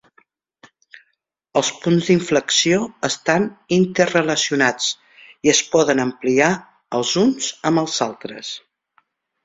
Els punts d'inflexió estan interrelacionats i es poden ampliar els uns amb els altres.